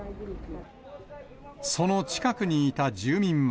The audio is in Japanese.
その近くにいた住民は。